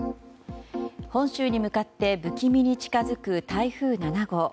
本州に向かって不気味に近づく台風７号。